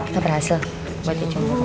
gak berhasil buat dia cemburu